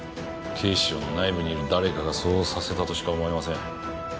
警視庁の内部にいる誰かがそうさせたとしか思えません。